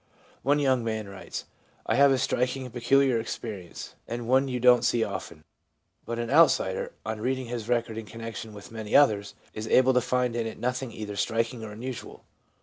One young man writes :* I have a striking and peculiar experience, and one you don't see often '; but an outsider, on reading his record in connection with many others, is able to find in it nothing either striking or unusual.